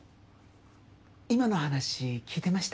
今の話聞いてました？